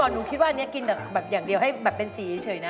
หนูคิดว่าอันนี้กินแบบอย่างเดียวให้แบบเป็นสีเฉยนะ